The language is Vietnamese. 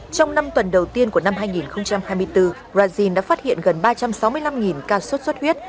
trong năm tuần đầu tiên của năm hai nghìn hai mươi bốn brazil đã phát hiện gần ba trăm sáu mươi năm ca sốt xuất huyết